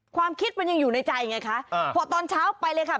ความคิดมันยังอยู่ในใจไงคะพอตอนเช้าไปเลยค่ะ